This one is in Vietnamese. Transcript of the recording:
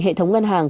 hệ thống ngân hàng